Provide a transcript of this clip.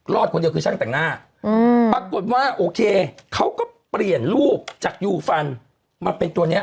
คนเดียวคือช่างแต่งหน้าปรากฏว่าโอเคเขาก็เปลี่ยนรูปจากยูฟันมาเป็นตัวนี้